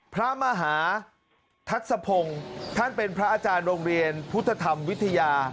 พระมหาทัศพงศ์ท่านเป็นพระอาจารย์โรงเรียนพุทธธรรมวิทยา